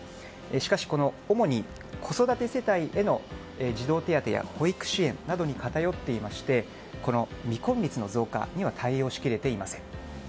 しかし、主に子育て世帯への児童手当や保育支援などに偏っていまして未婚率の増加には対応しきれていません。